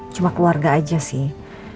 cuma keluarga aja sih